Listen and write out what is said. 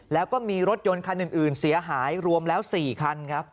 แล้วก็มีรถยนต์คันอื่นเสียหายรวมแล้ว๔คันครับ